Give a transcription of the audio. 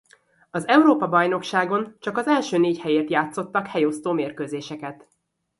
Az Európa-bajnokságon csak az első négy helyért játszottak helyosztó mérkőzéseket.